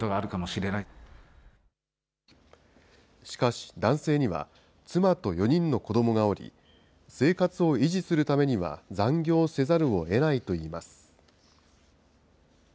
しかし、男性には妻と４人の子どもがおり、生活を維持するためには残業せざるをえないといいます。